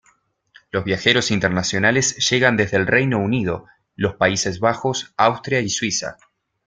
Los viajeros internacionales llegan desde el Reino Unido, los Países Bajos, Austria y Suiza.